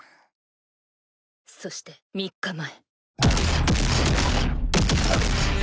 そして３日前。